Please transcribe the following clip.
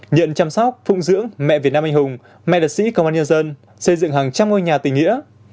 nhận chăm sóc phung dưỡng mẹ việt nam anh hùng mẹ liệt sĩ công an nhân dân xây dựng hàng trăm ngôi nhà tình nghĩa